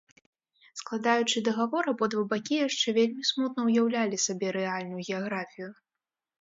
Складаючы дагавор, абодва бакі яшчэ вельмі смутна ўяўлялі сабе рэальную геаграфію.